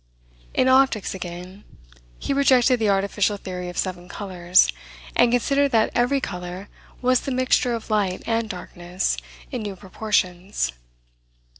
In optics, again, he rejected the artificial theory of seven colors, and considered that every color was the mixture of light and darkness in new proportions.